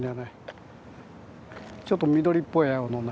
ちょっと緑っぽい青のね